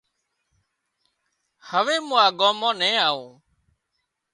هوي مُون آ ڳام مان نين آوون